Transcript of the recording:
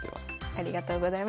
ありがとうございます。